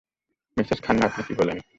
Mrs Khanna, আপনি কি বলেন?